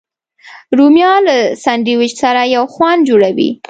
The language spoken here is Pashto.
رومیان له سنډویچ سره یو خوند جوړوي